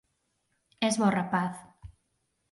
Es bo rapaz.